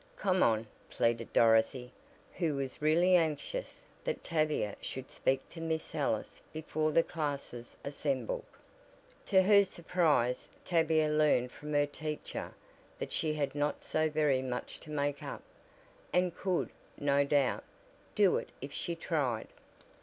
"Come on," pleaded Dorothy, who was really anxious that Tavia should speak to Miss Ellis before the classes assembled. To her surprise Tavia learned from her teacher that she had not so very much to make up, and could, no doubt, do it if she tried.